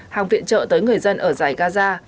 hàng viện trợ tới người dân ở dài gaza